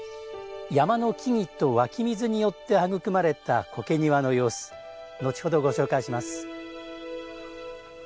山の木々と湧き水によって育まれた苔庭の様子後ほど、ご紹介します。